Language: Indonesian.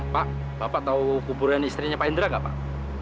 pak bapak tahu kuburan istrinya pak indra nggak pak